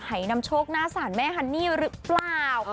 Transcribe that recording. นำโชคหน้าสารแม่ฮันนี่หรือเปล่า